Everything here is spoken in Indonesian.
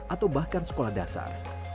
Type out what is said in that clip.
atau bahkan sekolah dasar